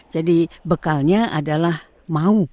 jadi bekalnya adalah mau